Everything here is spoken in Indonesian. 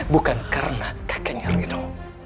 bukan karena kakeknya reno